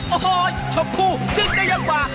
โอ้โหชมพูวินเตอร์ดึกได้ยากกว่า